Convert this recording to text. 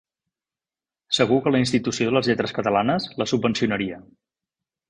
Segur que la Institució de les Lletres Catalanes la subvencionaria.